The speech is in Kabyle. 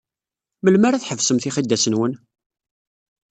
Melmi ara tḥebsem tixidas-nwen?